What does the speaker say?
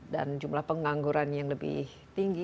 dan jumlah pengangguran yang lebih tinggi